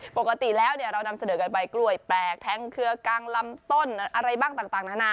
ปกติแล้วเรานำเสนอกันไปกล้วยแปลกแทงเครือกลางลำต้นอะไรบ้างต่างนานา